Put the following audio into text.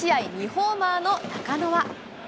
２ホーマーの中野は。